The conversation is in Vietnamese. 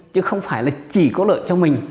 chứ không phải chỉ có lợi cho mình